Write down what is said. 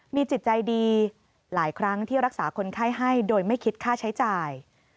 มีจิตใจดีหลายครั้งที่รักษาคนไข้ให้โดยไม่คิดค่าใช้จ่าย